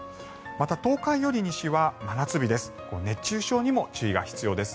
また、東海より西は真夏日です。